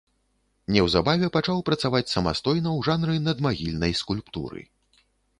Неўзабаве пачаў працаваць самастойна ў жанры надмагільнай скульптуры.